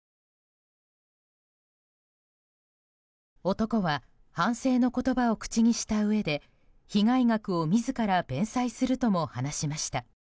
男は反省の言葉を口にしたうえで被害額を自ら弁済するとも話しました。